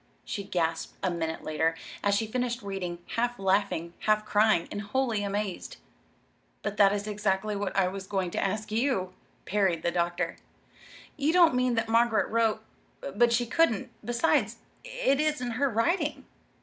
she gasped a minute later as she finished reading, half laughing, half crying, and wholly amazed. "But that is exactly what I was going to ask you," parried the doctor. "You don't mean that Margaret wrote but she couldn't; besides, it isn't her writing."